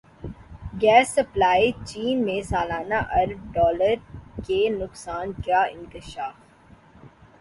gas supply chain میں سالانہ ارب ڈالر کے نقصان کا انکشاف